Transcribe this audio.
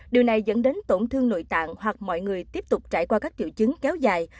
điều này dẫn đến tổn thương nội tạng hoặc mọi người tiếp tục trải qua các triệu chứng kéo dài